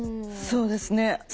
そうですね。